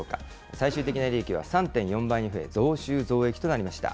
最終的な利益は３．４倍に増え、増収増益となりました。